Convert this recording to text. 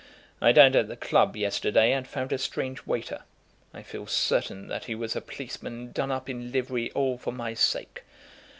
I dined at the club yesterday, and found a strange waiter. I feel certain that he was a policeman done up in livery all for my sake.